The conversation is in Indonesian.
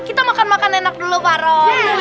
kita makan makan enak dulu pak roy